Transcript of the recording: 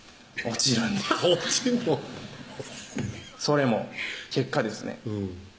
落ちんのそれも結果ですね